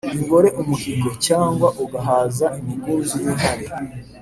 ingore umuhīgo’ cyangwa ugahaza imigunzu y’ intare,